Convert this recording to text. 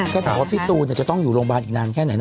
ก็ถามว่าพี่ตูนจะต้องอยู่โรงพยาบาลอีกนานแค่ไหนนะ